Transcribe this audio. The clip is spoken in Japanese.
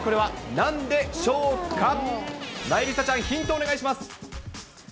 なえりさちゃん、ヒントをお願いします。